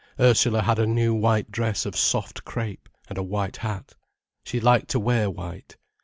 Ursula had a new white dress of soft crepe, and a white hat. She liked to wear white.